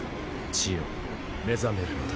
血よ目覚めるのだ。